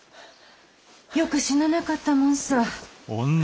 よく死ななかったもんさ。